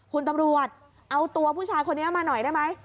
คุณตำรวจเอาตัวผู้ชายคนนี้มาหน่อยได้ไหม